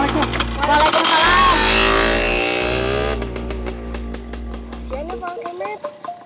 kasian ya pak kemet